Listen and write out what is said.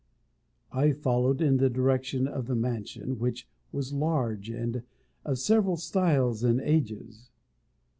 I followed in the direction of the mansion, which was large, and of several styles and ages.